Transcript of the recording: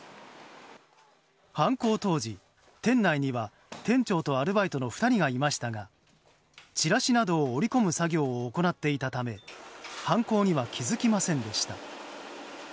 犯行当時、店内には店長とアルバイトの２人がいましたがチラシなどを折り込む作業を行っていたため犯行には気づきませんでした。